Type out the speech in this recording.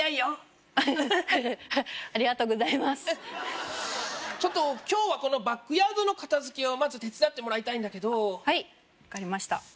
うんちょっと今日はこのバックヤードの片付けをまず手伝ってもらいたいんだけどはい分かりました